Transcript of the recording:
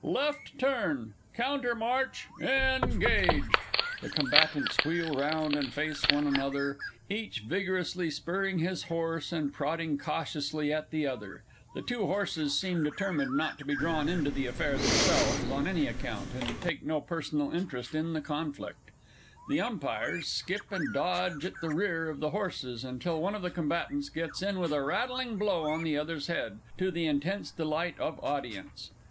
Left turn! Countermarch! Engage! (_The Combatants wheel round and face one another, each vigorously spurring his horse and prodding cautiously at the other; the two horses seem determined not to be drawn into the affair themselves on any account, and take no personal interest in the conflict; the umpires skip and dodge at the rear of the horses, until one of the Combatants gets in with a rattling blow on the other's head, to the intense delight of audience.